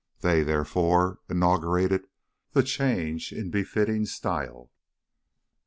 They, therefore, inaugurated the change in befitting style.